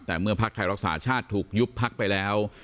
แต่เมื่อพักไทยรักษาชาติถูกยุบพักไปแล้ว